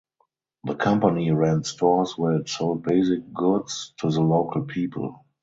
The company ran stores were it sold basic goods to the local people.